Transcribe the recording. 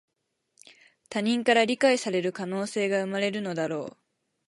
他人から理解される可能性が生まれるのだろう